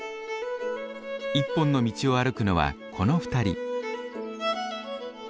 一本の道を歩くのはこの２人。